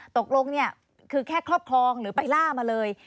ตกลงเนี่ยคือแค่ครอบครองหรือไปล่ามาเลย